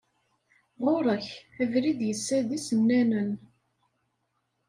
Ɣurek! Abrid yessa d isennanen.